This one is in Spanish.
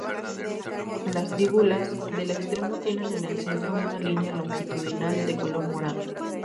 Las lígulas del extremo tienen en el centro una línea longitudinal de color morado.